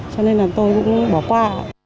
cho nên là tôi cũng bỏ qua